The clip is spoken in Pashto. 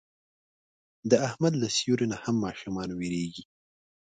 د احمد له سیوري نه هم ماشومان وېرېږي.